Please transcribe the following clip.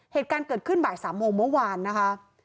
เหตุการณ์เกิดขึ้นบ่าย๓โมงเมื่อวานนะคะ